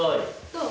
どう？